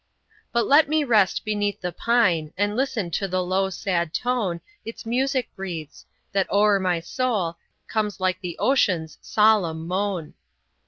But let me rest beneath the PINE, And listen to the low, sad tone Its music breathes, that o'er my soul Comes like the ocean's solemn moan.